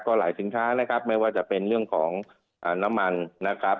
ก็หลายสินค้านะครับไม่ว่าจะเป็นเรื่องของน้ำมันนะครับ